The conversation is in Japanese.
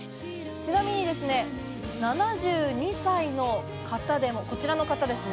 ちなみにですね、７２歳の方でも、こちらの方ですね。